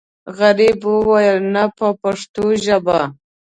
غریب وویل نه په پښتو ژبه.